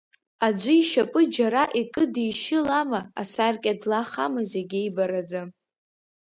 Аӡәы ишьапы џьара икыдишьылама, асаркьа длахама зегьы ибаразы.